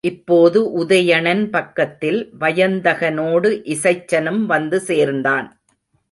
இப்போது உதயணன் பக்கத்தில் வயந்தகனோடு இசைச்சனும் வந்து சேர்ந்தான்.